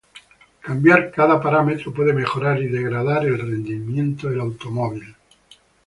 Cambiar cada parámetro puede mejorar y degradar el rendimiento del automóvil.